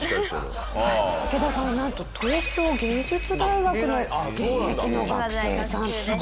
池田さんはなんと東京藝術大学の現役の学生さんです。